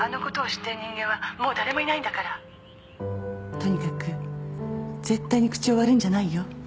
とにかく絶対に口を割るんじゃないよ。